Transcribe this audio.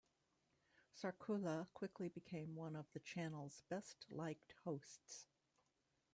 Sarkula quickly became one of the channel's best liked hosts.